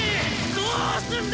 どーすんだ